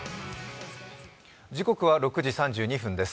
時刻は６時３２分です。